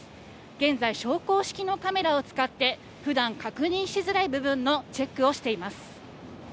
現在、昇降式のカメラを使って、ふだん確認しづらい部分のチェックをし